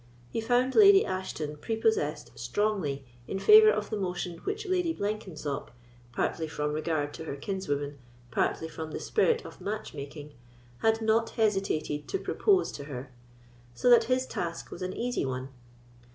He found Lady Ashton prepossessed strongly in favour of the motion which Lady Blenkensop, partly from regard to her kinswoman, partly from the spirit of match making, had not hesitated to propose to her; so that his task was an easy one.